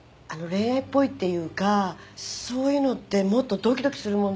恋愛っぽいっていうかそういうのってもっとドキドキするもんだと思うんですよ。